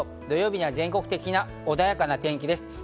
土曜日には全国的に穏やかな天気です。